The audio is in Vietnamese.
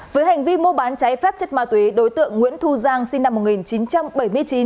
với hành vi mua bán trái phép chất ma túy đối tượng nguyễn thu giang sinh năm một nghìn chín trăm bảy mươi chín